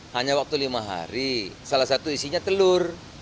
hanya waktu lima hari salah satu isinya telur